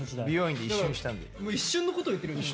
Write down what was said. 一瞬のことを言ってる。